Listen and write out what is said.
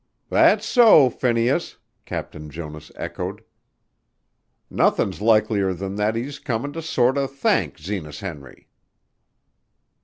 "That's so, Phineas," Captain Jonas echoed. "Nothin's likelier than that he's comin' to sorter thank Zenas Henry."